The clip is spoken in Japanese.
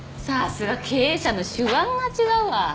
さすが経営者の手腕が違うわ。